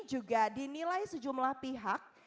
juga dinilai sejumlah pihak